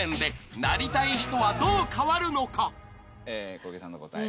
小池さんの答え